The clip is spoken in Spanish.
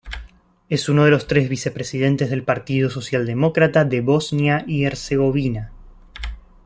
Es uno de los tres vice-presidentes del Partido Socialdemócrata de Bosnia y Herzegovina.